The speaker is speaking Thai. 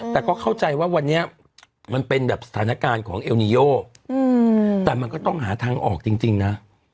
แต่ก็เข้าใจว่าวันนี้มันเป็นแบบสถานการณ์ของเอลนิโยแต่มันก็ต้องหาทางออกจริงนะ